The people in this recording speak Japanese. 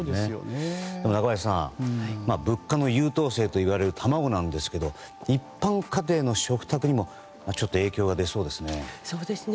中林さん、物価の優等生と言われる卵ですが一般家庭の食卓にも影響が出そうですね。